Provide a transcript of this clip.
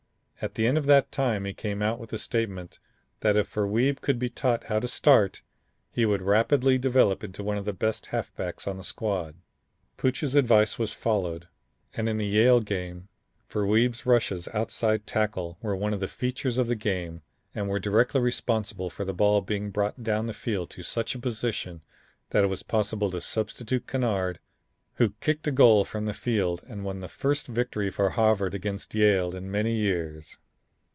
At the end of that time he came out with the statement that if Ver Wiebe could be taught how to start, he would rapidly develop into one of the best halfbacks on the squad. Pooch's advice was followed and in the Yale game, Ver Wiebe's rushes outside tackle were one of the features of the game and were directly responsible for the ball being brought down the field to such a position that it was possible to substitute Kennard, who kicked a goal from the field and won the first victory for Harvard against Yale in many years.